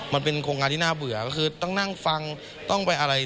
มันเป็นโครงการที่น่าเบื่อก็คือต้องนั่งฟังต้องไปอะไร